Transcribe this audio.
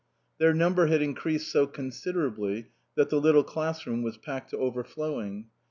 Their number had increased so considerably that the little class room was packed to overflowing.